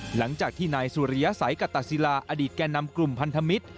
หลังจากที่นายสุริยสัยกตศิลาอดีตแก่นำกลุ่มพันธมิตร